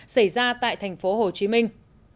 xảy ra tại thành phố hồ chí minh